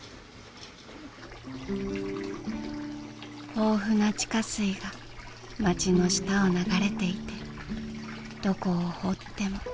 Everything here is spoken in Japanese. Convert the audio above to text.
豊富な地下水が町の下を流れていてどこを掘っても質のいい水が出る。